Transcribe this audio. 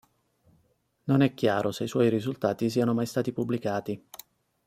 Non è chiaro se i suoi risultati siano mai stati pubblicati.